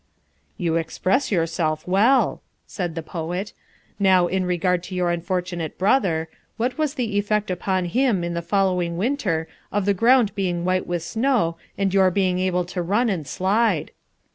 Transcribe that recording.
"You express yourself well," said the poet. "Now, in regard to your unfortunate brother, what was the effect upon him in the following winter of the ground being white with snow and your being able to run and slide?"